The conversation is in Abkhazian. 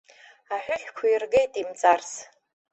Аҳәыҳәқәа иргеит имҵарс.